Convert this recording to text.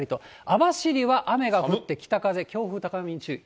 網走は雨が降って、北風、強風、高波に注意。